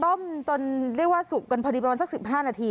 ต้มจนเรียกว่าสุกกันพอดีประมาณสัก๑๕นาที